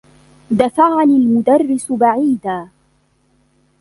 دفعني المدرّس بعيدا.